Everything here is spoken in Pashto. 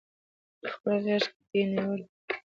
پخپل غیږ کې دی نیولي